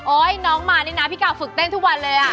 น้องมานี่นะพี่กาวฝึกเต้นทุกวันเลยอ่ะ